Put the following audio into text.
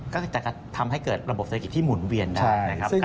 ก็จะทำให้เกิดระบบเศรษฐกิจที่หมุนเวียนได้นะครับ